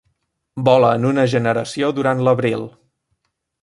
Vola en una generació durant l'abril.